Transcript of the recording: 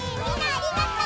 ありがとう！